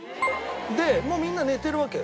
でもうみんな寝てるわけ。